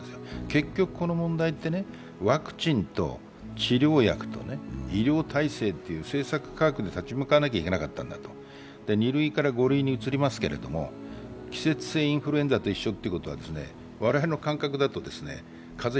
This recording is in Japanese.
結局この問題って、ワクチンと治療薬と医療体制という政策科学で立ち向かわなくちゃいけなかったんだと２類から５類に移りますけど季節性インフルエンザと一緒ということは、我々の感覚だと風邪を